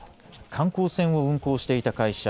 観光船を運航していた会社